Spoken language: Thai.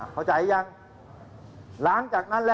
เข้าใจยัง